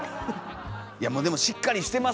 いやもうでもしっかりしてますもんね